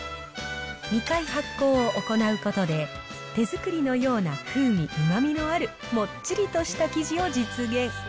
２回発酵を行うことで、手作りのような風味、うまみのあるもっちりとした生地を実現。